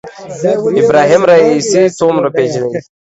ابراهیم رئیسي څومره پېژنئ